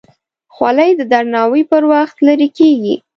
خولۍ د درناوي پر وخت لرې کېږي.